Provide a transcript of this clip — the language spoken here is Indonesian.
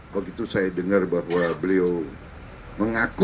begitu saya dengar bahwa beliau sudah berhubungan dengan saya